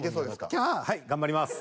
はい頑張ります。